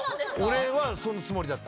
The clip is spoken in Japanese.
俺はそのつもりだった。